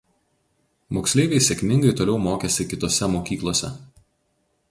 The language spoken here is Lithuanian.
Moksleiviai sėkmingai toliau mokėsi kitose mokyklose.